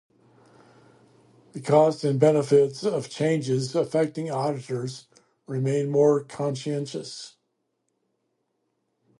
The costs and benefits of changes affecting auditors remain more contentious.